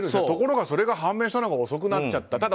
ところが、それが判明したのが遅くなっちゃった。